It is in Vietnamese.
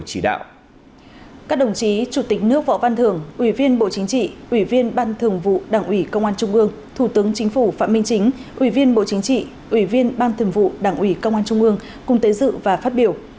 các đồng chí chủ tịch nước võ văn thưởng ủy viên bộ chính trị ủy viên ban thường vụ đảng ủy công an trung ương thủ tướng chính phủ phạm minh chính ủy viên bộ chính trị ủy viên ban thường vụ đảng ủy công an trung ương cùng tới dự và phát biểu